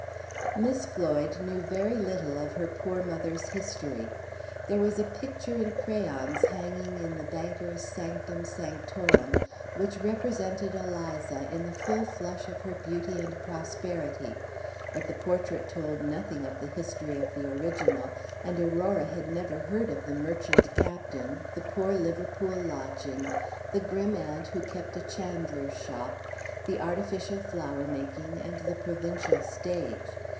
Miss Floyd knew very little of her poor mother's history. There was a picture in crayons hanging in the banker's sanctum sanctorum which represented Eliza in the full flush of her beauty and prosperity, but the portrait told nothing of the history of the original, and Aurora had never heard of the merchant captain, the poor Liverpool lodging, the grim aunt who kept a chandler's shop, the artificial flower making, and the provincial stage.